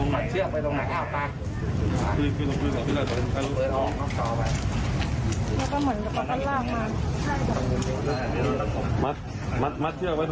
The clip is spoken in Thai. มัดเชือกมาตรงนี้ใช่ไหม